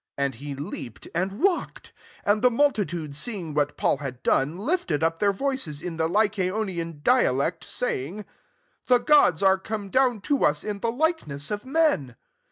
And he leap ed and walked. 11 And the multitude seeing what Paul had done, lifted up their voices, in the Ly caonian dialect, saying, " The gods are come down to us in the likeness of men."